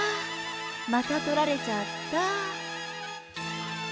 また取られちゃった。